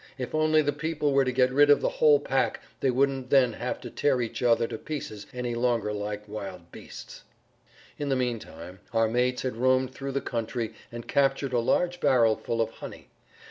If only the people were to get rid of the whole pack they wouldn't then have to tear each other to pieces any longer like wild beasts." In the meantime our mates had roamed through the country and captured a large barrel full of honey.